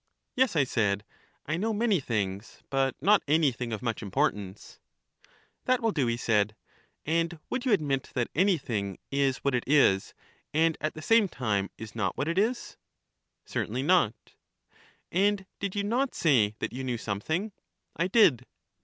Yes, I said, I know many things, but not anything of much importance. That mil do, he said. And would you admit that anything is what it is, and at the same time is not what it is? EUTHYDEMUS 253 Certainly not. And did you not say that you knew something? I did.